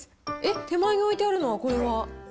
手前においてあるのは、これは？